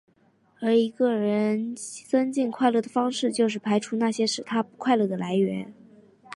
而一个人增进快乐的方式就是排除那些使他不快乐的来源。